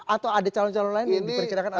atau ada calon calon lain yang diperkirakan akan